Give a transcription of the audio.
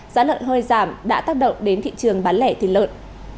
giá lợn hơi giảm đã tác động đến thị trường bán lẻ thịt lợn